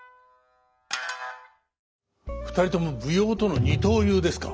二人とも舞踊との二刀流ですか。